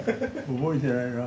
覚えてないな。